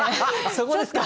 そこですか。